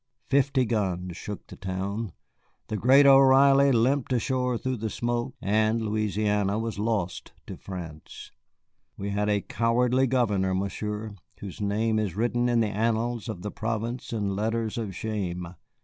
Fifty guns shook the town, the great O'Reilly limped ashore through the smoke, and Louisiana was lost to France. We had a cowardly governor, Monsieur, whose name is written in the annals of the province in letters of shame.